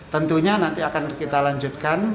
tentunya nanti akan kita lanjutkan